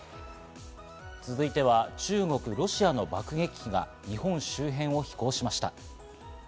続いては中国、ロシアの爆撃機が日本周辺を飛行しました。